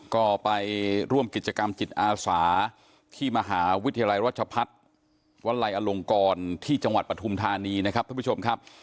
ก็ไปร่วมกิจกรรมจิตอาสาที่มหาวิทยาลัยรัชพัฒน์วัลัยอลงกรที่จังหวัดปฐุมธานีนะครับท่านผู้ชมครับ